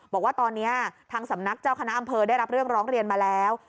บอกว่าตอนนี้ทางสำนักเจ้าคณะอำเภอได้รับเรื่องร้องเรียนมาแล้ว